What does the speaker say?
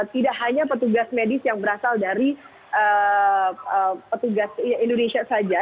tidak hanya petugas medis yang berasal dari petugas indonesia saja